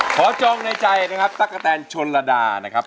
ขอจงในใจนะครับตะกะแตนชนลดานะครับ